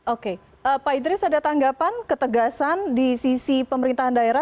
oke pak idris ada tanggapan ketegasan di sisi pemerintahan daerah